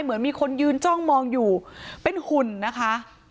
เหมือนมีคนยืนจ้องมองอยู่เป็นหุ่นนะคะ